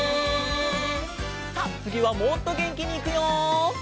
さっつぎはもっとげんきにいくよ！